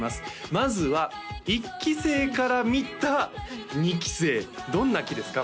まずは１期生から見た２期生どんな期ですか？